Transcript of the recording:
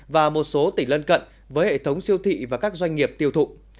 và một số tỉnh lân cận với hệ thống siêu thị và các doanh nghiệp tiêu thụ